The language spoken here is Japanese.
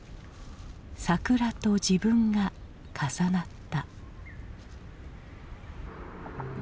桜と自分が重なった。